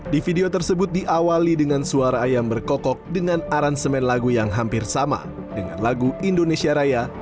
di video tersebut diawali dengan suara ayam berkokok dengan aransemen lagu yang hampir sama dengan lagu indonesia raya